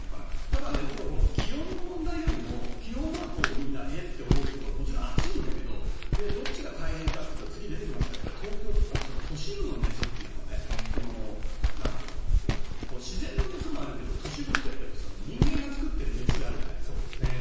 ただ、僕は気温の問題よりも気温はみんなえ？って思うけどもちろん暑いんだけどどっちが大変かというと次に出てきますが都市部の熱っていうのは自然の熱もあるけど都市部って人間が作っている熱があるじゃないですか。